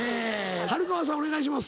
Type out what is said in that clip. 春川さんお願いします。